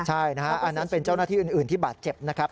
ใช่นะฮะอันนั้นเป็นเจ้าหน้าที่อื่นที่บาดเจ็บนะครับ